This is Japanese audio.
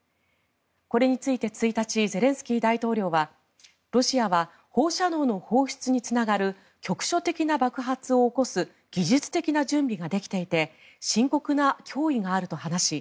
これについて１日ゼレンスキー大統領はロシアは放射能の放出につながる局所的な爆発を起こす技術的な準備ができていて深刻な脅威があると話し